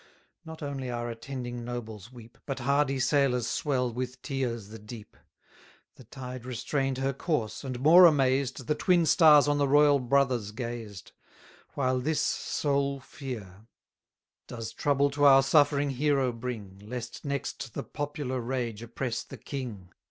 Not only our attending nobles weep, But hardy sailors swell with tears the deep! The tide restrain'd her course, and more amazed, 610 The twin stars on the royal brothers gazed: While this sole fear Does trouble to our suffering hero bring, Lest next the popular rage oppress the king!